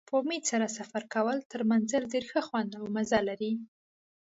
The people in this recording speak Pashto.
په امید سره سفر کول تر منزل ډېر ښه خوند او مزه لري.